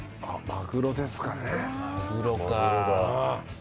・マグロか。